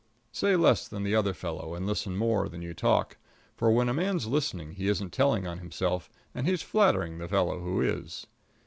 Say less than the other fellow and listen more than you talk; for when a man's listening he isn't telling on himself and he's flattering the fellow who is.